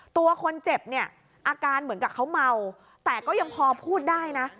ตัวคนเจ็บเนี่ยอาการเหมือนกับเขาเมาแต่ก็ยังพอพูดได้นะ